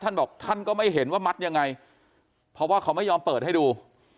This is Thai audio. ท่านบอกท่านก็ไม่เห็นว่ามัดยังไงเพราะว่าเขาไม่ยอมเปิดให้ดู